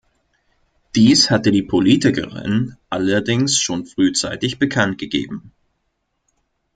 Dies hatte die Politikerin allerdings schon frühzeitig bekanntgegeben.